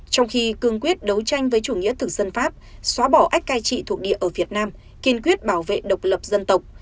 trong khi cương quyết đấu tranh với chủ nghĩa thực dân pháp xóa bỏ ách cai trị thuộc địa ở việt nam kiên quyết bảo vệ độc lập dân tộc